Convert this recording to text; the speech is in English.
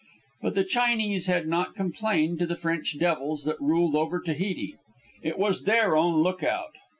But the Chinese had not complained to the French devils that ruled over Tahiti. It was their own look out.